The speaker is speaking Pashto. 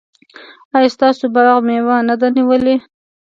ایا ستاسو باغ مېوه نه ده نیولې؟